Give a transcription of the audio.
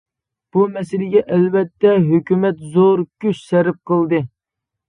بۇ مەسىلىگە ئەلۋەتتە ھۆكۈمەت زور كۈچ سەرپ قىلدى.